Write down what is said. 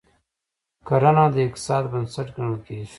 کرنه د اقتصاد بنسټ ګڼل کیږي.